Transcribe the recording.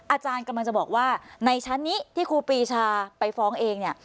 อาจารย์กำลังจะบอกว่าในชั้นนี้ที่ครูปีชาไปฟ้องเองเนี่ย